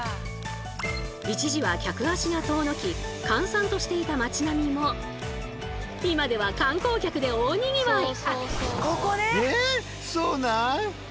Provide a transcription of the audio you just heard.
一時は客足が遠のき閑散としていた町並みも今では観光客で大にぎわい！